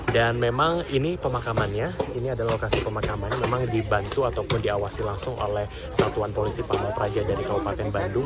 dan memang ini pemakamannya ini adalah lokasi pemakamannya memang dibantu ataupun diawasi langsung oleh satuan polisi pahlaw praja dari kabupaten bandung